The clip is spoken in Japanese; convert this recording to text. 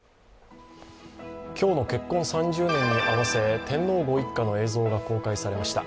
今日の結婚３０年に合わせ、天皇ご一家の映像が公開されました。